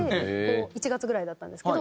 １月ぐらいだったんですけど。